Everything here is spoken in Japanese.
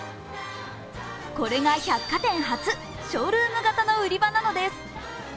これが百貨店初ショールーム型の売り場なのです。